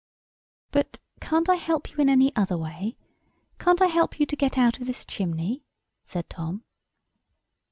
"But can't I help you in any other way? Can't I help you to get out of this chimney?" said Tom.